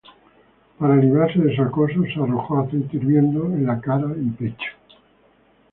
Para librarse de su acoso, se arrojó aceite hirviendo en la cara y pecho.